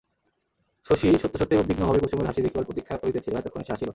শশী সত্যসত্যই উদ্বিগ্নভাবে কুসুমের হাসি দেখিবার প্রতীক্ষা করিতেছিল, এতক্ষণে সে হাসিল।